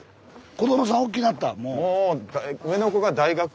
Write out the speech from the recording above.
子どもさん大きなった？